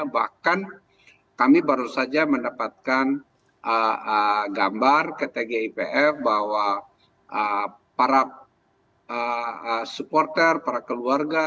bahkan kami baru saja mendapatkan gambar ke tgipf bahwa para supporter para keluarga